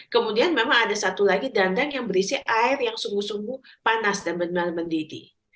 kemudian memang ada satu lagi dandang yang berisi air yang sungguh sungguh panas dan benar benar mendidih